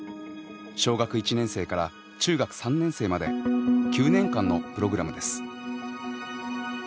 小学１年生から中学３年生まで９年間のプログラムです。